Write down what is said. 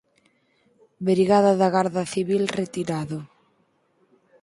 Brigada da garda civil retirado.